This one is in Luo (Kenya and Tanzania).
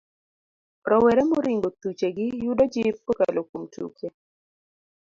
Rowere moringo thuchegi yudo jip kokalo kuom tuke.